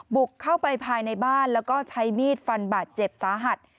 บุกเข้าไปภายในบ้านแล้วก็ใช้มีดฟันบาดเจ็บสาหัส